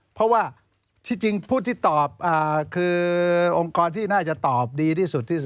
เพราะว่าที่จริงผู้ที่ตอบคือองค์กรที่น่าจะตอบดีที่สุดที่สุด